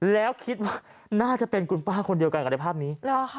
แล้วคิดว่าน่าจะเป็นคุณป้าคนเดียวกันกับในภาพนี้